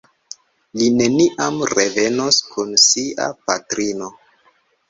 Li neniam revenos kun sia patrino.